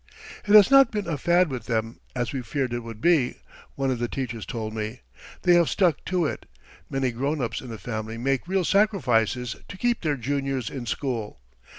"It has not been a fad with them, as we feared it would be," one of the teachers told me; "they have stuck to it. Many grown ups in the family make real sacrifices to keep their juniors in school.